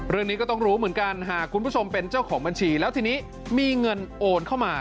เรื่องนี้ก็ต้องรู้เหมือนกันหากคุณผู้ชมเป็นเจ้าของบัญชีแล้วทีนี้มีเงินโอนเข้ามา